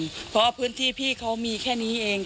เพราะว่าพื้นที่พี่เขามีแค่นี้เอง